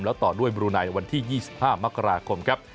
แล้วต่อด้วยบรูไนวันที่๒๕มกราคมครับ